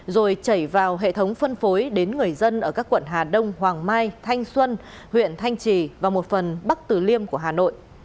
rồi chảy vào hệ thống phân phối đến người dân ở các quận hà đông hoàng mai thanh xuân huyện thanh trì và một phần bắc từ liêm của hà nội